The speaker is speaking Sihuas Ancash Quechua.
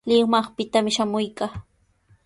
Limaqpitami shamuykaa.